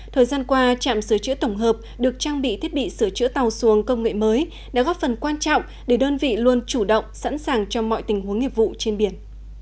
thời gian qua trạm sửa chữa tổng hợp được trang bị thiết bị sửa chữa tàu xuồng công nghệ mới đã góp phần quan trọng để đơn vị luôn chủ động sẵn sàng cho mọi tình huống nghiệp vụ trên biển